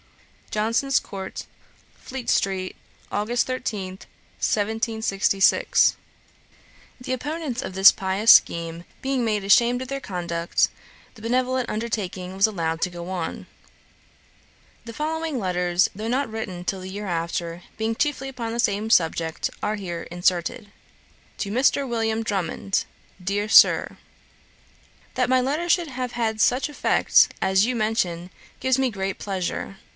'Johnson's court, Fleet street, Aug. 13, 1766.' The opponents of this pious scheme being made ashamed of their conduct, the benevolent undertaking was allowed to go on. The following letters, though not written till the year after, being chiefly upon the same subject, are here inserted. 'TO MR. WILLIAM DRUMMOND. 'DEAR SIR, 'That my letter should have had such effects as you mention, gives me great pleasure.